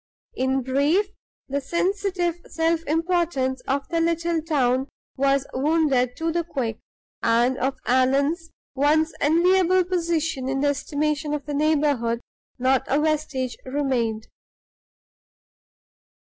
In brief, the sensitive self importance of the little town was wounded to the quick, and of Allan's once enviable position in the estimation of the neighborhood not a vestige remained.